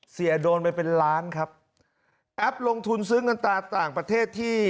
เสียโดนไปเป็นล้านครับแอปลงทุนซื้อเงินตาต่างประเทศที่